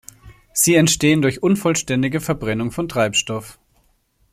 Sie entstehen durch unvollständige Verbrennung von Treibstoff.